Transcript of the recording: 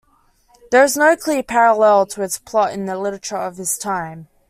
There is no clear parallel to its plot in the literature of his time.